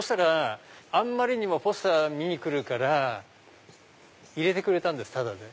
あんまりにもポスター見に来るから入れてくれたんですただで。